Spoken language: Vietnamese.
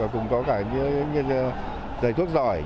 cũng có cả giấy thuốc giỏi